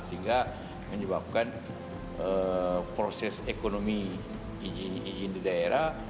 sehingga menyebabkan proses ekonomi izin di daerah